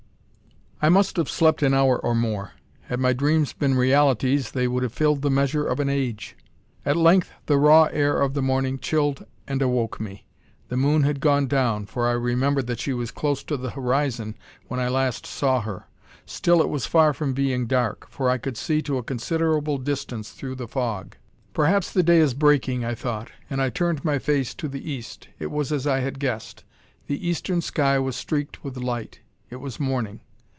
I must have slept an hour or more. Had my dreams been realities, they would have filled the measure of an age. At length the raw air of the morning chilled and awoke me. The moon had gone down, for I remembered that she was close to the horizon when I last saw her. Still it was far from being dark, for I could see to a considerable distance through the fog. "Perhaps the day is breaking," thought I, and I turned my face to the east. It was as I had guessed: the eastern sky was streaked with light; it was morning.